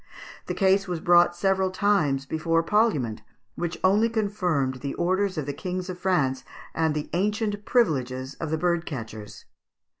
The case was brought several times before parliament, which only confirmed the orders of the kings of France and the ancient privileges of the bird catchers.